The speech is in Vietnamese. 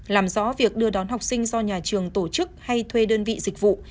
làm rõ việc đưa đón học sinh do nhà trường tổ chức hay thuê đơn vị dịch vụ